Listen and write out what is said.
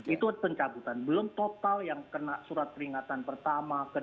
itu pencabutan belum total yang kena surat peringatan pertama